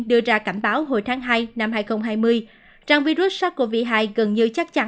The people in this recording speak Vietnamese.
đưa ra cảnh báo hồi tháng hai năm hai nghìn hai mươi trang virus sars cov hai gần như chắc chắn